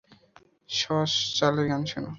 শশশ চার্লির গান শুনো।